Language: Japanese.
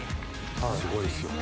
すごいっすよね。